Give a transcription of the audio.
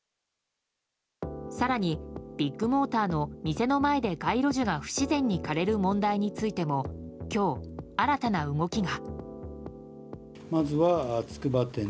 更にビッグモーターの店の前で街路樹が不自然に枯れる問題についても今日、新たな動きが。